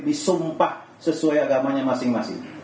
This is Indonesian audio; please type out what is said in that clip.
disumpah sesuai agamanya masing masing